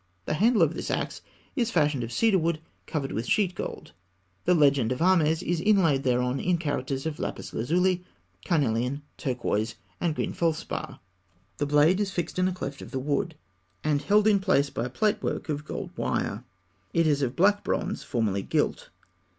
The handle of this axe is fashioned of cedar wood covered with sheet gold (fig. 306). The legend of Ahmes is inlaid thereon in characters of lapis lazuli, carnelian, turquoise, and green felspar. The blade is fixed in a cleft of the wood, and held in place by a plait work of gold wire. It is of black bronze, formerly gilt.